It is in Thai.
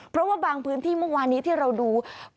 เพราะว่าบางพื้นที่เมื่อวานนี้ที่เราดู